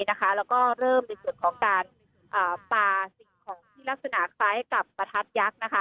แล้วก็เริ่มในส่วนของการปลาสิ่งของที่ลักษณะคล้ายกับประทัดยักษ์